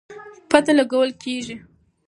پته لګول کېږي.